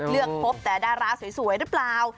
พบแต่ดาราสวยหรือเปล่า